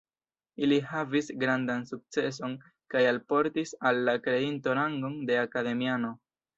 Ili havis grandan sukceson kaj alportis al la kreinto rangon de akademiano.